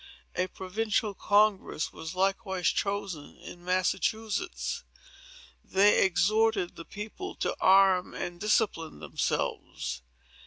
A provincial Congress was likewise chosen in Massachusetts. They exhorted the people to arm and discipline themselves.